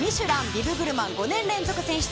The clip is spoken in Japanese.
ビブグルマン５年連続選出